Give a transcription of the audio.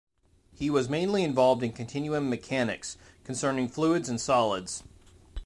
He was mainly involved in continuum mechanics, concerning fluids and solids.